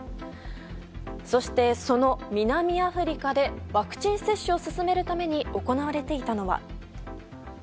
そして、その南アフリカでワクチン接種を進めるために行われていたのは。